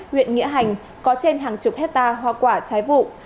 huyện nghĩa hành có trên hàng chục hectare hoa quả trái vụ